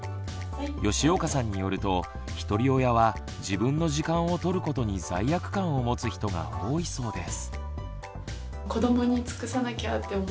吉岡さんによるとひとり親は自分の時間をとることに罪悪感を持つ人が多いそうです。